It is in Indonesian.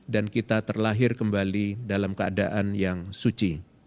dan kita terlahir kembali dalam keadaan yang suci